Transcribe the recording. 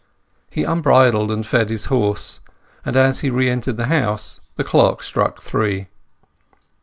He unbridled and fed his horse, and as he re entered the house the clock struck three.